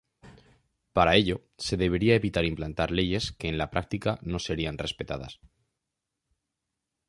Para ello, se debería evitar implantar leyes que en la práctica no serían respetadas.